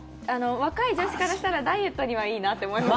若い女子からしたらダイエットにはいいなって思います。